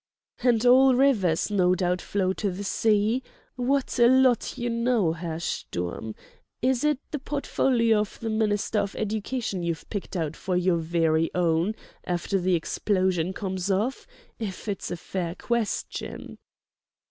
"And all rivers, no doubt, flow to the sea? What a lot you know, Herr Sturm! Is it the Portfolio of the Minister of Education you've picked out for your very own, after the explosion comes off—if it's a fair question?"